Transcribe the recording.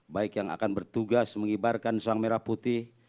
baik yang akan bertugas mengibarkan sang merah putih